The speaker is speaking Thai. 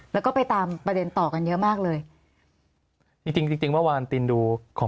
แล้วก็ไปตามประเด็นต่อกันเยอะมากเลยจริงจริงเมื่อวานตินดูขอ